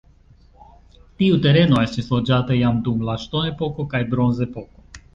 Tiu tereno estis loĝata jam dum la ŝtonepoko kaj bronzepoko.